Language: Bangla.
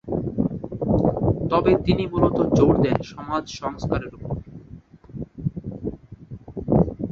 তবে তিনি মূলত জোর দেন সমাজ সংস্কারের উপর।